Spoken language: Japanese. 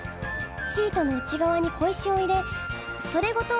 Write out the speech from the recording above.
シートの内がわに小石を入れそれごと